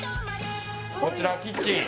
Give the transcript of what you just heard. こちらキッチン。